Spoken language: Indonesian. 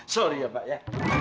sorry ya pak ya